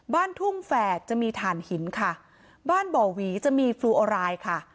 บ้านทุ่งแฝดจะมีฐานหินค่ะบ้านบ่อหวีจะมีฟลูโอรายค่ะ